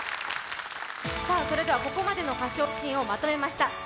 それではここまでの歌唱シーンをまとめました。